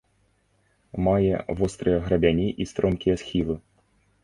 Мае вострыя грабяні і стромкія схілы.